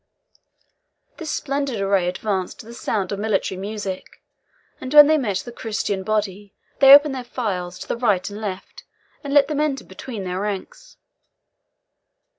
This splendid array advanced to the sound of military music, and when they met the Christian body they opened their files to the right and left, and let them enter between their ranks.